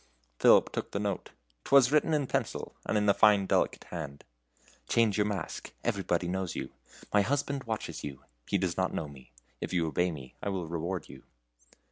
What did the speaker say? Philip took the note. 'T was written in pencil, and in a fine delicate hand: "Change your mask. Everybody knows you. My husband watches you. He does not know me. If you obey me, I will reward you."